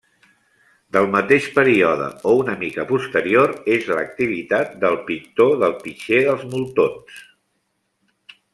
Del mateix període o una mica posterior és l'activitat del pintor del pitxer dels Moltons.